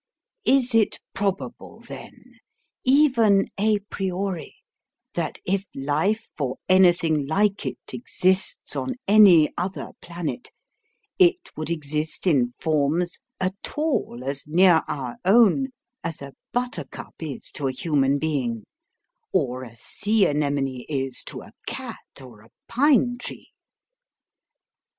Is it probable, then, even a priori, that if life or anything like it exists on any other planet, it would exist in forms at all as near our own as a buttercup is to a human being, or a sea anemone is to a cat or a pine tree?"